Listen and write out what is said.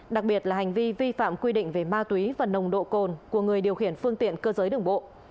đặc biệt là hành vi vi phạm quy định về ma túy và nồng độ cồn của người điều khiển phương tiện cơ giới đường bộ